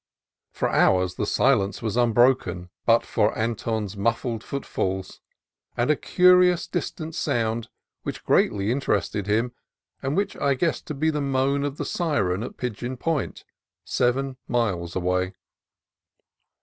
For hours the silence was unbroken but for Anton's muffled footfalls, and a curious distant sound, which greatly interested him, and which I guessed to be the moan of the syren at Pigeon Point, seven miles away.